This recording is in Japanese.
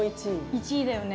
１位だよね。